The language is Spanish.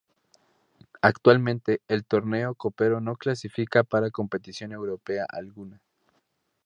Actualmente, el torneo copero no clasifica para competición europea alguna.